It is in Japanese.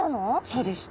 そうです。